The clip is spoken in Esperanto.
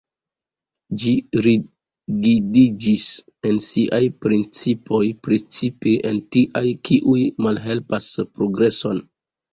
Ĝi rigidiĝis en siaj principoj, precipe en tiaj kiuj malhelpas progreson.